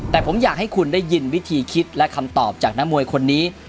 แต่ผมอยากให้คุณได้ยินวิธีคิดและคำตอบจากนักมวยคนนี้